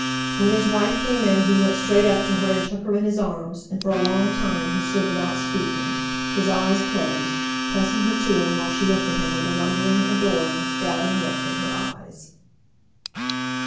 When his wife came in he went straight up to her and took her in his arms; and for a long time he stood without speaking, his eyes closed, pressing her to him, while she looked at him with a wondering, adoring, doubting look in her eyes.